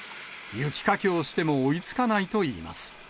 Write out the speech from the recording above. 雪かきをしても追いつかないといいます。